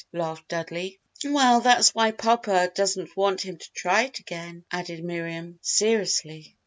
laughed Dudley. "Well, that's why Papa doesn't want him to try it again," added Miriam, seriously.